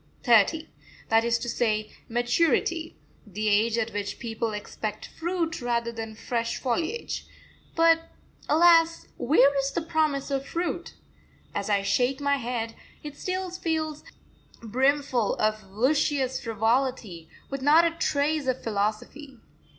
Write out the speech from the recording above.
thirty that is to say maturity the age at which people expect fruit rather than fresh foliage. But, alas, where is the promise of fruit? As I shake my head, it still feels brimful of luscious frivolity, with not a trace of philosophy.